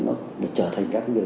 nó trở thành các cái việc